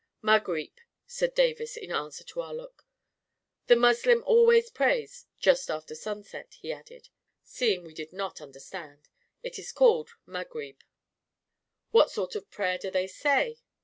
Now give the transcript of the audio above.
" Maghrib," said Davis in answer to our look. " The Muslim always prays just after sunset," he added, seeing we did not understand; " it is called {> Maghrib." " What sort of^ prayer do they say?"